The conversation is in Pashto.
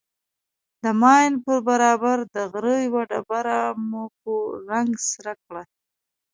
د ماين پر برابر د غره يوه ډبره مو په رنگ سره کړه.